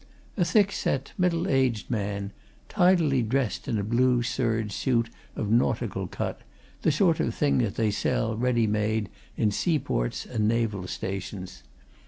A thick set middle aged man, tidily dressed in a blue serge suit of nautical cut, the sort of thing that they sell, ready made, in sea ports and naval stations.